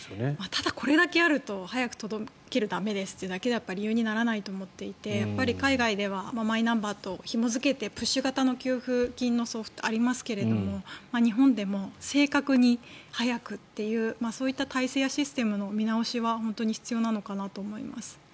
ただ、これだけあると早く届けるためですというだけじゃ理由にならないと思っていて海外ではマイナンバーとひもづけてプッシュ型の給付金の送付ってありますが日本でも正確に早くというそういった体制やシステムの見直しは本当に必要なのかなと思います。